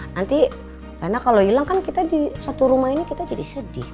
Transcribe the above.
nanti karena kalau hilang kan kita di satu rumah ini kita jadi sedih